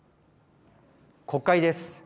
国会です。